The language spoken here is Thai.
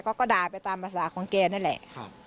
เขาก็ด่าไปตามภาษาของแกนั่นแหละ